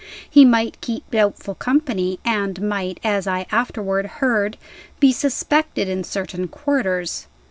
He might keep doubtful company, and might (as I afterward heard) be suspected in certain quarters.